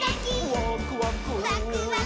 「ワクワク」ワクワク。